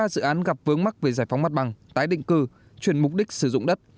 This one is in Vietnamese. hai mươi ba dự án gặp vướng mắc về giải phóng mắt bằng tái định cư chuyển mục đích sử dụng đất